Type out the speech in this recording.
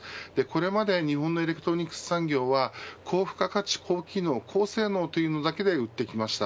これまで日本のエレクトロニクス産業は高付加価値、高機能高性能ということだけで売ってきました。